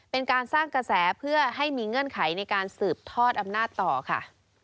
เป็นการสร้างกระแสเพื่อให้มีเงื่อนไขในการสืบทอดอำนาจต่อค่ะ